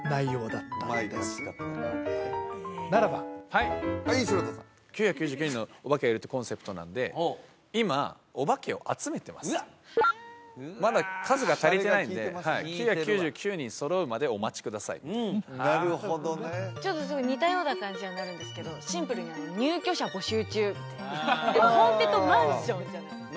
はいはい城田さん９９９人のお化けがいるってコンセプトなんで「今お化けを集めてます」「まだ数が足りてないんで９９９人揃うまでお待ちください」みたいななるほどねちょっと似たような感じにはなるんですけどシンプルに「入居者募集中」みたいなホーンテッドマンションじゃないですか